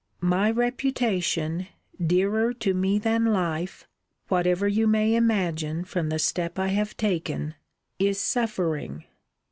My reputation, dearer to me than life, (whatever you may imagine from the step I have taken,) is suffering.